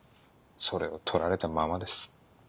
それを取られたままです。